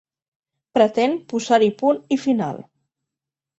Pretén posar-hi punt i final.